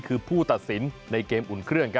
คือผู้ตัดสินในเกมอุ่นเครื่อง